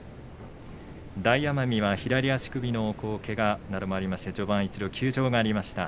大奄美は左足首のけがなどもありまして序盤１度休場がありました。